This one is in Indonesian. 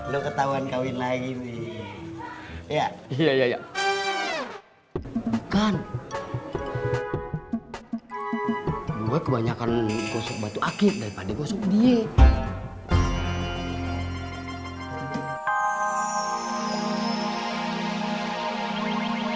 lo ketahuan kawin lagi nih ya iya kan gue kebanyakan gosok batu akib daripada gosok diet